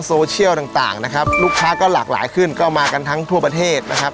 โซเชียลต่างนะครับลูกค้าก็หลากหลายขึ้นก็มากันทั้งทั่วประเทศนะครับ